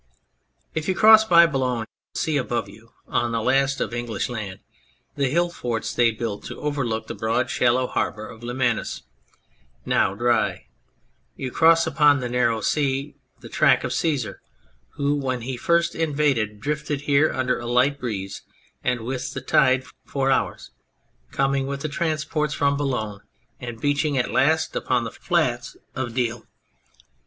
If you cross by Boulogne you see above you, on the last of English land, the hill forts they built to overlook the broad shallow harbour of Lemanus, now dry ; you cross upon the narrow sea the track of Caesar, who, when he first invaded, drifted here under a light breeze and with the tide for hours, coming with the transports from Boulogne and beaching at last upon the flats of Deal.